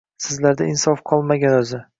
Sizlarda insof qolmagan o`zi